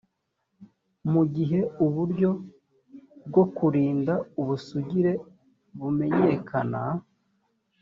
mu gihe uburyo bwo kurinda ubusugire bumenyekana